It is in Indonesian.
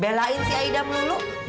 belain si aida pelulu